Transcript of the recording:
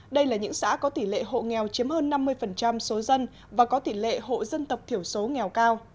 đây là những xã có tỷ lệ hộ nghèo chiếm hơn năm mươi số dân và có tỷ lệ hộ dân tộc thiểu số nghèo cao